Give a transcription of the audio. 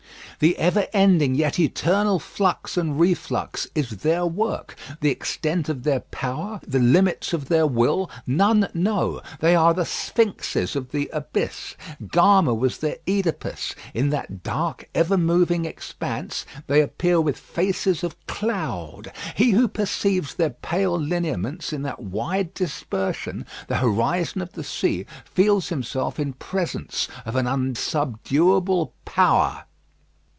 The ever ending yet eternal flux and reflux is their work. The extent of their power, the limits of their will, none know. They are the Sphinxes of the abyss: Gama was their oedipus. In that dark, ever moving expanse, they appear with faces of cloud. He who perceives their pale lineaments in that wide dispersion, the horizon of the sea, feels himself in presence of an unsubduable power.